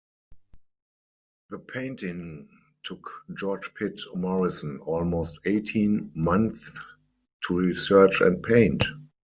The painting took George Pitt Morison almost eighteen months to research and paint.